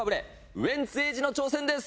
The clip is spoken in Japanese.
ウエンツ瑛士の挑戦です。